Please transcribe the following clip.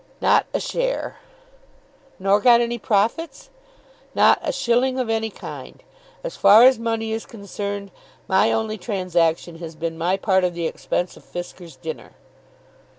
"Not a share." "Nor got any profits?" "Not a shilling of any kind. As far as money is concerned my only transaction has been my part of the expense of Fisker's dinner."